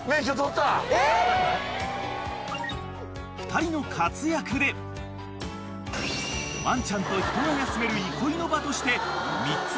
［２人の活躍でワンちゃんと人が休める憩いの場として３つの円が連結した池が完成］